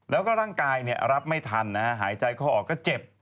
แล้วก็ร่างกายรับไม่ทันหายใจเข้าออกก็เจ็บ